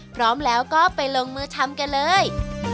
พร้อมแล้วก็ไปลงมือทำกันเลย